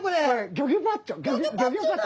ギョギョパッチョだ！